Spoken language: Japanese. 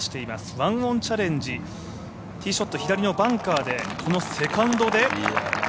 １オンチャレンジティーショット左のバンカーでこのセカンドで。